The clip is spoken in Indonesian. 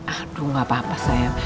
aduh gak apa apa saya